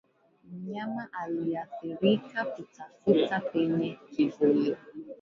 Mnyama aliyeathirika kutafuta penye kivuli